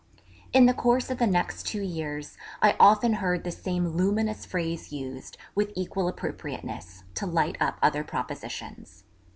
In the course of the next two years I often heard the same luminous phrase used, with equal appropriateness, to light up other propositions.